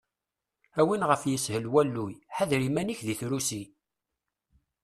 A win ɣef yeshel walluy, ḥader iman-ik di trusi!